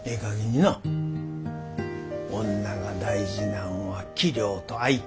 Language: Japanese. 女が大事なんは器量と愛嬌や。